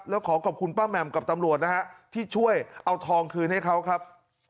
แล้วขอขอบคุณป้าแหม่มกับตำรวจนะฮะที่ช่วยเอาทองคืนให้เขาครับ